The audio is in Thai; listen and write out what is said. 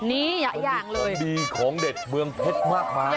นี่เยอะอย่างเลยดีของเด็ดเมืองเพชรมากมาย